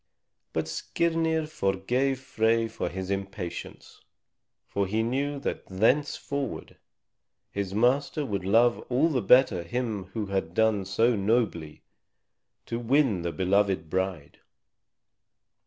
But Skirnir forgave Frey for his impatience, for he knew that thenceforward his master would love all the better him who had done so nobly to win the beloved bride.